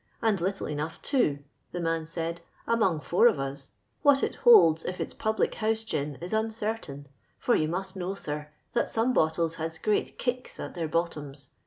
And litilc enough, too," the man said, " among four of us ; what it holds if it's public house gin is uncertain : for you must know, sir, that soroo bottles has great * kicks ' at their bottoms.